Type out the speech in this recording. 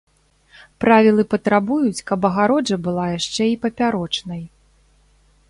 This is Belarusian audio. Правілы патрабуюць, каб агароджа была яшчэ і папярочнай.